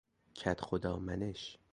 کدخدا منش